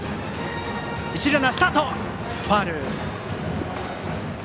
一塁ランナー、スタートしたがファウル。